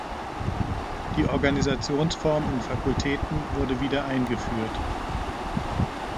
Die Organisationsform in Fakultäten wurde wieder eingeführt.